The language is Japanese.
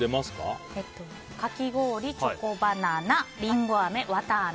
かき氷、チョコバナナりんごあめ、わたあめ。